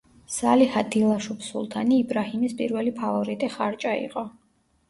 სალიჰა დილაშუბ სულთანი იბრაჰიმის პირველი ფავორიტი ხარჭა იყო.